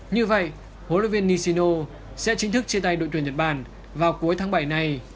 như vậy huấn luyện viên nishino sẽ chính thức chia tay đội tuyển nhật bản vào cuối tháng bảy này